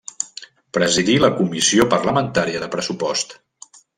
Presidí la comissió parlamentària de pressupost.